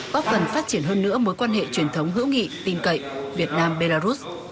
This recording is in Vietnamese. bóp gần phát triển hơn nữa mối quan hệ truyền thống hữu nghị tin cậy việt nam belarus